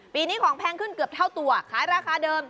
ปีนี้ของแพงขึ้นเกือบเท่าตัวขายราคาเดิม